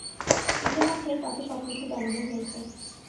ইতোমধ্যেই তাকে সবকিছু জানানো হয়েছে।